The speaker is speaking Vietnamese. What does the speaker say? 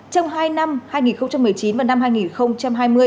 trong hai năm hai nghìn một mươi chín và năm hai nghìn hai mươi